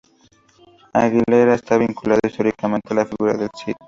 Aguilera está vinculado históricamente a la figura del Cid.